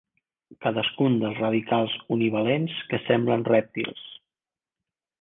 Cadascun dels radicals univalents que semblen rèptils.